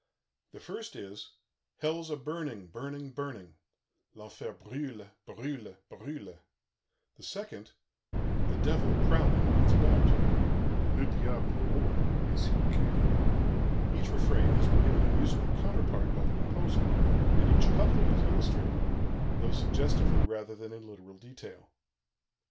The first is: "Hell's a burning, burning, burning." (L'enfer brûle, brûle, brûle.) the second: "The Devil, prowling, runs about." (Le Diable rôde et circule.) Each refrain has been given a musical counterpart by the composer, and each couplet is illustrated, though suggestively rather than in literal detail.